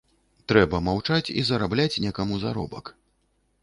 Трэба маўчаць і зарабляць некаму заробак.